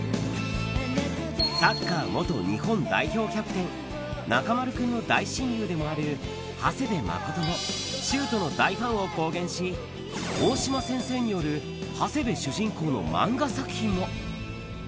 サッカー元日本代表キャプテン、中丸君の大親友でもある、長谷部誠もシュート！の大ファンを公言し、大島先生による長谷部主人公の漫画作品も。